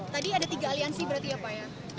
tadi ada tiga aliansi berarti ya pak ya